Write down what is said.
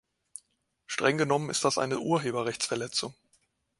Streng genommen ist das eine Urheberrechtsverletzung.